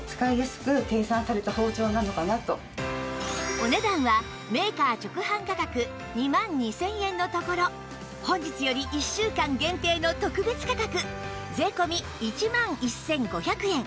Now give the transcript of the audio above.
お値段はメーカー直販価格２万２０００円のところ本日より１週間限定の特別価格税込１万１５００円